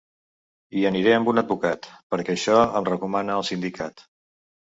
Hi aniré amb un advocat perquè això em recomana el sindicat.